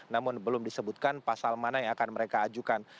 namun belum disebutkan pasal mana yang akan mereka ajukan